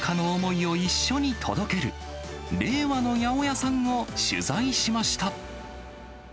農家の思いを一緒に届ける令和の八百屋さんを取材しました。